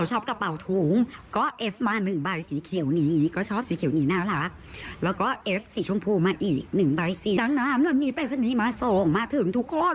ชมพูมาอีกหนึ่งใบสีดังน้ำมันมีแป้งสันนี้มาส่งมาถึงทุกคน